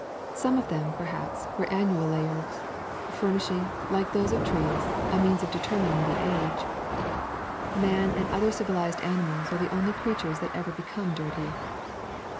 Some of them, perhaps, were annual layers, furnishing, like those of trees, a means of determining the age. Man and other civilized animals are the only creatures that ever become dirty.